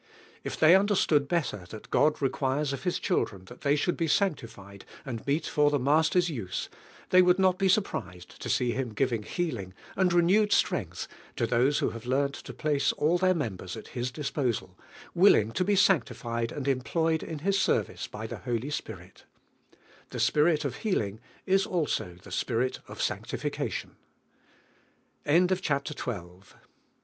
If they under stood better that Rod requires of His chil ilren that tbey should be "sanctified ami meet for the Master's use," tbey wonkl not be surprised to see Him giving heal ing and renewed strength to those who have learned to plate all their members n,f His disposal, willing to be sanctified and employed in His service by the Holy Spirit The Spirit of healing is also the Spirit of eauctifica